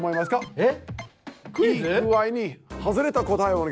えっ？